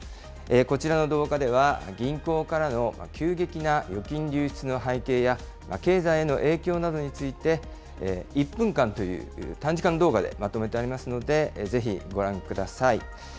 こちらの動画では銀行からの急激な預金流出の背景や、経済への影響などについて、１分間という短時間動画でまとめてありますので、ぜひご覧ください。